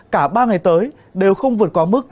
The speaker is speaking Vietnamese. cả ba ngày tới đều không vượt qua mức